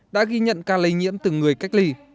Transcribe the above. đã ghi nhận ca lây nhiễm từ người cách ly